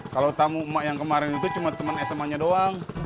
kalo tamu emak yang kemaren itu cuma temen sma nya doang